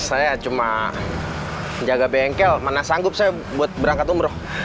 saya cuma menjaga bengkel mana sanggup saya buat berangkat umroh